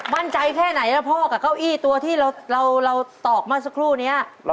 มั่นใจแค่ไหนนะพ่อกับเก้าอี้ตัวที่เราตอกเมื่อสักครู่นี้